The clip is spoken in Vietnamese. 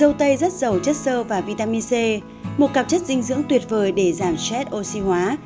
dâu tây rất giàu chất sơ và vitamin c một cặp chất dinh dưỡng tuyệt vời để giảm xét oxy hóa